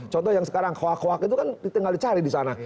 contoh yang sekarang hoax hoax itu kan tinggal dicari di sana